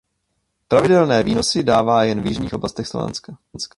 Pravidelné výnosy dává jen v jižních oblastech Slovenska.